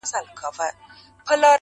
• درته ایښي د څپلیو دي رنګونه -